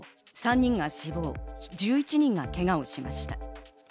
３人が死亡、１１人がけがをしました。